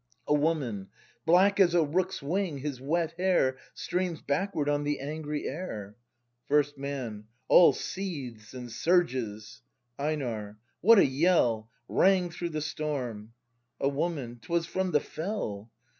A Woman. Black as a rook's wing, his wet hair Streams backward on the angry air. First Man. All seethes and surges! Einar. What a yell! Rang through the storm! A Woman. 'Twas from the fell.